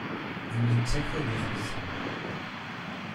D nettat ad ixellṣen.